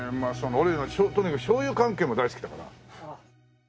俺しょうゆ関係も大好きだから。